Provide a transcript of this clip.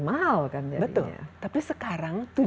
mahal kan jadinya tapi sekarang